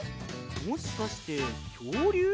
もしかしてきょうりゅう？